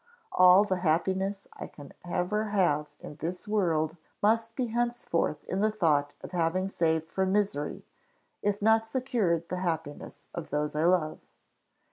All the happiness I can ever have in this world must be henceforth in the thought of having saved from misery if not secured the happiness of those I love.